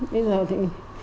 bây giờ thì